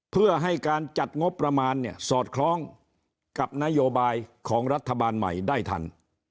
เพื่อให้การจัดงบประมาณเนี่ยสอดคล้องกับนโยบายของรัฐบาลใหม่ได้ทัน